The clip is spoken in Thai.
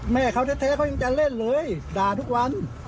แม่เขาแท้เขายังจะเล่นเลยด่าทุกวัน